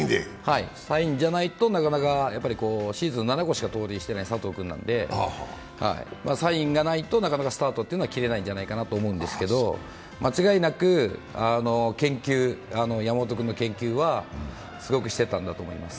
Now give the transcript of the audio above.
サインじゃないと、なかなか、シーズン７本しか盗塁していない佐藤君なのでサインがないとなかなかスタートっていうのは切れないんじゃないかなと思うんですけど間違いなく山本君の研究はすごくしてたんだと思います。